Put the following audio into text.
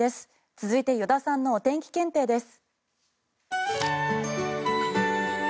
続いて依田さんのお天気検定です。